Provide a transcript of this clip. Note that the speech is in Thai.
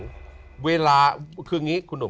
คืออย่างนี้คุณหนุ่ม